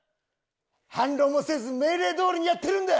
反論もせず命令どおりにやってるんだ！